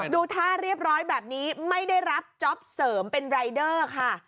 ดูท่าเรียบร้อยแบบนี้ไม่ได้รับจ๊อปเสริมเป็นรายเดอร์ค่ะ